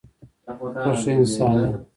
ته ښه انسان یې.